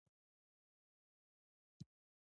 سترګې دوه ملیونه برخې لري.